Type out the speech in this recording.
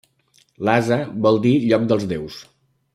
Lhasa vol dir 'lloc dels déus'.